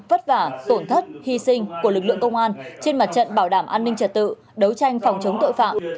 vất vả tổn thất hy sinh của lực lượng công an trên mặt trận bảo đảm an ninh trật tự đấu tranh phòng chống tội phạm